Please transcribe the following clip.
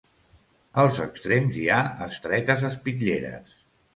Als extrems hi ha estretes espitlleres.